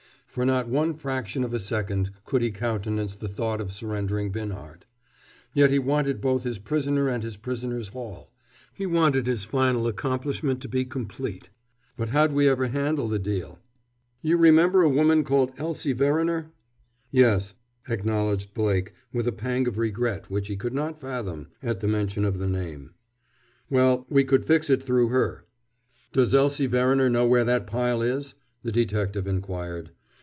For not one fraction of a second could he countenance the thought of surrendering Binhart. Yet he wanted both his prisoner and his prisoner's haul; he wanted his final accomplishment to be complete. "But how'd we ever handle the deal?" prompted the tired bodied man on the burro. "You remember a woman called Elsie Verriner?" "Yes," acknowledged Blake, with a pang of regret which he could not fathom, at the mention of the name. "Well, we could fix it through her." "Does Elsie Verriner know where that pile is?" the detective inquired.